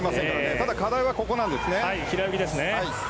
ただ、課題は平泳ぎなんですね。